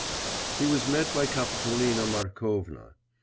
He was met by Kapitolina Markovna.